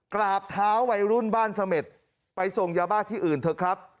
กราบเท้าวัยรุ่นบ้านเสม็ดไปส่งยาบ้าที่อื่นเถอะครับ